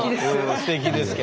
すてきですよ。